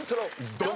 ドン！